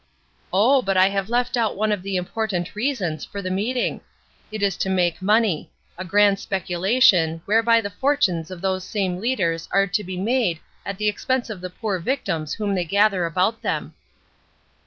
"Oh, but I have left out one of the important reasons for the meeting. It is to make money; a grand speculation, whereby the fortunes of these same leaders are to be made at the expense of the poor victims whom they gather about them."